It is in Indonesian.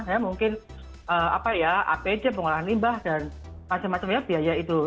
ya mungkin apd pengolahan limbah dan macam macam ya biaya itu